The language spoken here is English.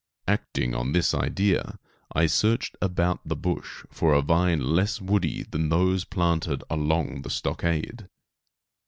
Acting on this idea, I searched about the bush for a vine less woody than those planted along the stockade.